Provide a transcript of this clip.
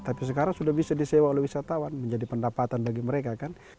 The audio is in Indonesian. tapi sekarang sudah bisa disewa oleh wisatawan menjadi pendapatan bagi mereka kan